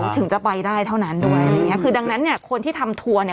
ถึงจะไปได้เท่านั้นด้วยคือดังนั้นคนที่ทำทัวร์เนี่ย